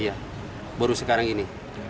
iya baru sekarang ini